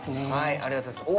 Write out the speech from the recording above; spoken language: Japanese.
ありがとうございます。